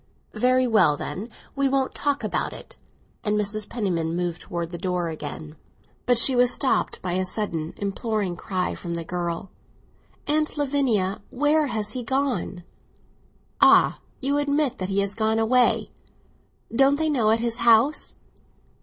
"Very well, then; we won't talk about it." And Mrs. Penniman moved towards the door again. But she was stopped by a sudden imploring cry from the girl. "Aunt Lavinia, where has he gone?" "Ah, you admit, then, that he has gone away? Didn't they know at his house?"